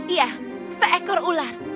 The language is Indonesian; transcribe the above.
iya seekor ular